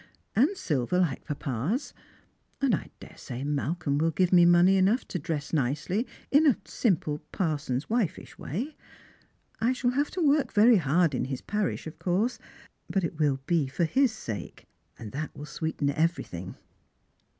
— and silver like papa's. And I daresay Malcolm will give memoney enough to dress nicely, in a simple parson's wifeish way. I shall have to work very hard in his parish, of course, but it will be for his sake, and that will sweeten everything."